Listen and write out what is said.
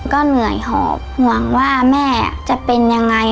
ก็เหนื่อยหอบห่วงว่าแม่จะเป็นยังไง